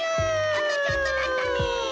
あとちょっとだったね。